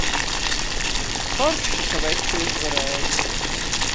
Forši, ka veči uzvarēja!